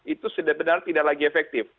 itu sebenarnya tidak lagi efektif